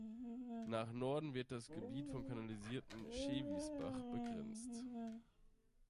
Nach Norden wird das Gebiet vom kanalisierten Schewisbach begrenzt.